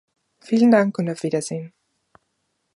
Vielen Dank und Auf Wiedersehen.